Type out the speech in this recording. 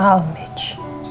al sudah menikah